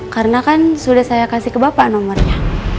karena kan sudah saya kasih ke bapak nomornya